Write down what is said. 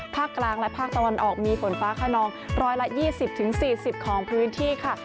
ภาคกลางและภาคตะวันออกมีฝนฟ้าขนองร้อยละยี่สิบถึงสี่สิบของพื้นที่ค่ะ